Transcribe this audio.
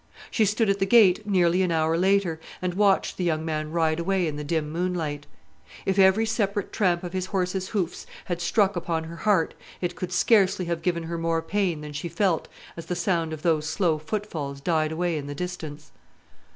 She stood at the gate nearly an hour later, and watched the young man ride away in the dim moonlight. If every separate tramp of his horse's hoofs had struck upon her heart, it could scarcely have given her more pain than she felt as the sound of those slow footfalls died away in the distance.